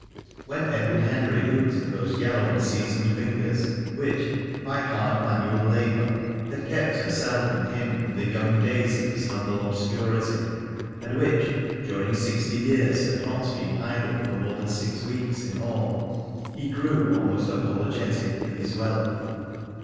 When Edward Henry looked at those yellow and seasoned fingers which, by hard manual labour, had kept herself and him in the young days of his humble obscurity, and which, during sixty years had not been idle for more than six weeks in all, he grew almost apologetic for his wealth.